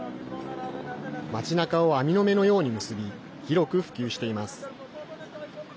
町なかを網の目のように結び広く普及しています。